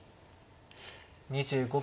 ２５秒。